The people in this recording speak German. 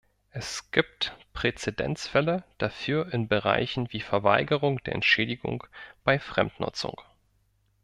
Es gibt Präzedenzfälle dafür in Bereichen wie Verweigerung der Entschädigung bei Fremdnutzung.